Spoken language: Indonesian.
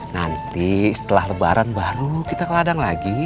nanti setelah lebaran baru kita ke ladang lagi